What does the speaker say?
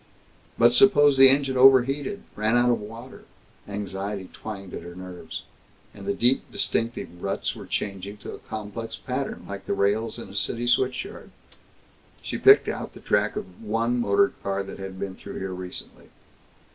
But suppose the engine overheated, ran out of water? Anxiety twanged at her nerves. And the deep distinctive ruts were changing to a complex pattern, like the rails in a city switchyard. She picked out the track of the one motor car that had been through here recently.